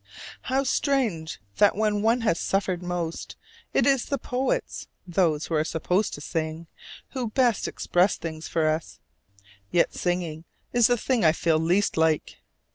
How strange that when one has suffered most, it is the poets (those who are supposed to sing) who best express things for us. Yet singing is the thing I feel least like.